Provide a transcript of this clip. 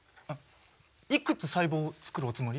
いくつ細胞をつくるおつもり？